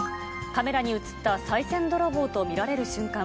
カメラに写ったさい銭泥棒と見られる瞬間。